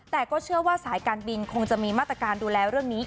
แต่ก็เชื่อว่าสายการบินคงจะมีมาตรการดูแลเรื่องนี้